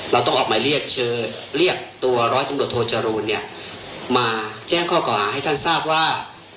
เราต้องออกหมายเรียกเชิญเรียกตัวร้อยตำรวจโทจรูลเนี่ยมาแจ้งข้อกล่าหาให้ท่านทราบว่า